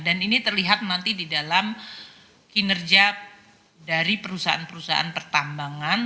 dan ini terlihat nanti di dalam kinerja dari perusahaan perusahaan pertambangan